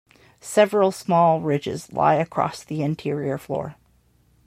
Several small ridges lie across the interior floor.